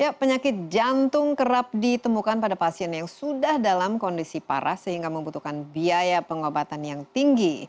ya penyakit jantung kerap ditemukan pada pasien yang sudah dalam kondisi parah sehingga membutuhkan biaya pengobatan yang tinggi